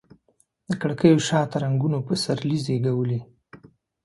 د کړکېو شاته رنګونو پسرلي زیږولي